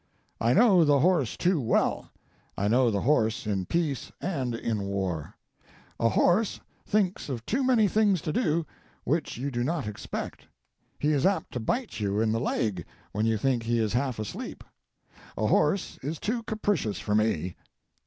I know the horse too well; I know the horse in peace and in war. A horse thinks of too many things to do which you do not expect. He is apt to bit you in the leg when you think he is half asleep. A horse is too capricious for me.